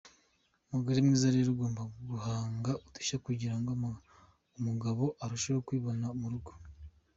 Mugore mwiza rero ugomba guhanga udushya kugira ngo umugabo arusheho kwibona mu rugo.